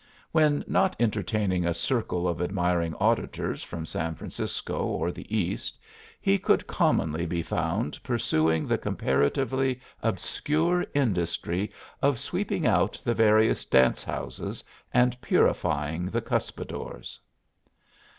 When not entertaining a circle of admiring auditors from San Francisco or the East he could commonly be found pursuing the comparatively obscure industry of sweeping out the various dance houses and purifying the cuspidors.